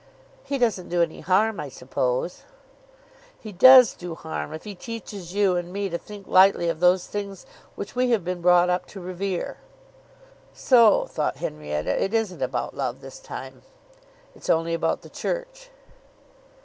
"He doesn't do any harm, I suppose?" "He does do harm if he teaches you and me to think lightly of those things which we have been brought up to revere." So, thought Henrietta, it isn't about love this time; it's only about the Church.